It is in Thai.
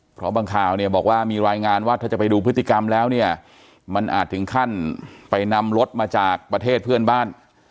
เพราะบางข่าวเนี่ยบอกว่ามีรายงานว่าถ้าจะไปดูพฤติกรรมแล้วเนี่ยมันอาจถึงขั้นไปนำรถมาจากประเทศเพื่อนบ้าน